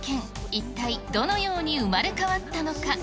一体どのように生まれ変わったのか。